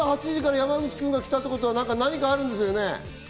朝８時から来たってことは何かあるんですよね。